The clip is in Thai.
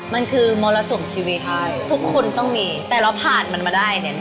มันคือมรสุมชีวิตใช่ทุกคนต้องมีแต่เราผ่านมันมาได้เนี่ย